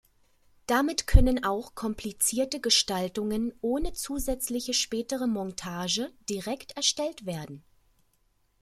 Damit können auch komplizierte Gestaltungen ohne zusätzliche spätere Montage direkt erstellt werden.